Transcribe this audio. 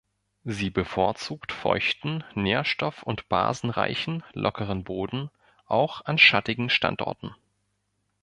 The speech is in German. Sie bevorzugt feuchten, nährstoff- und basenreichen, lockeren Boden, auch an schattigen Standorten.